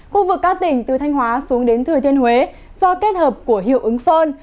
khu vực các tỉnh từ thanh hóa xuống đến thừa thiên huế do kết hợp của hiệu ứng phơn